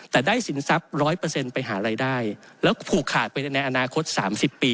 แต่ได้สินทรัพย์๑๐๐ไปหารายได้แล้วผูกขาดไปในอนาคต๓๐ปี